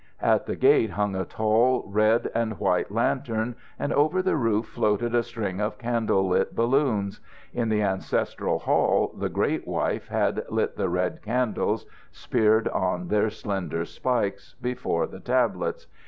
At the gate hung a tall red and white lantern, and over the roof floated a string of candle lit balloons. In the ancestral hall the great wife had lit the red candles, speared on their slender spikes, before the tablets.